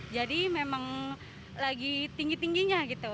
jadi memang lagi tinggi tingginya gitu